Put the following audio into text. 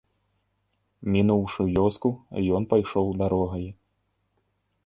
Мінуўшы вёску, ён пайшоў дарогай.